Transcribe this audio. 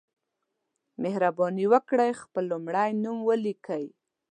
مهرباني وکړئ خپل لمړی نوم ولیکئ